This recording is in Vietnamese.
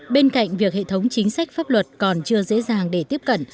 bên cạnh việc hệ thống chính sách pháp luật còn chưa dễ dàng để tiếp cận